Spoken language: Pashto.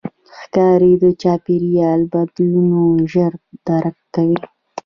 ښکاري د چاپېریال بدلونونه ژر درک کوي.